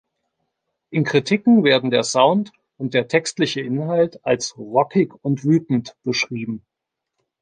In Kritiken werden der Sound und der textliche Inhalt als „rockig und wütend“ beschrieben.